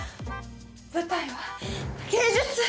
舞台は芸術！